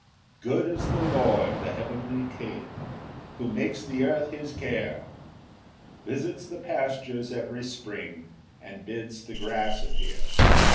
1 Good is the Lord, the heavenly King, Who makes the earth his care, Visits the pastures every spring, And bids the grass appear.